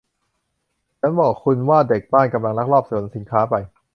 ฉันบอกคุณว่าเด็กบ้านกำลังลักลอบขนสินค้าไป